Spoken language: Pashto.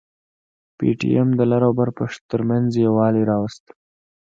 پي ټي ايم د لر او بر ترمنځ يووالي راوست.